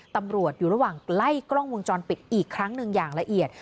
ตำรวจอยู่ระหว่างไล่กล้องวงจรปิดอีกครั้งหนึ่งอย่างละเอียด